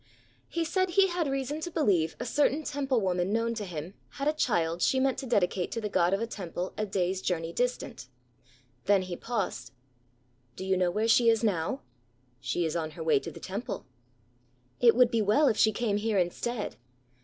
He said he had reason to believe a certain Temple woman known to him had a child she meant to dedicate to the god of a Temple a day's journey distant. Then he paused. "Do you know where she is now?" "She is on her way to the Temple." "It would be well if she came here instead."